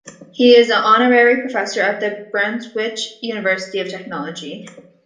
He is an honorary professor of the Braunschweig University of Technology.